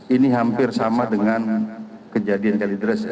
ini hampir sama dengan kejadian kalidres